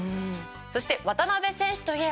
そして渡邊選手といえば澤部さん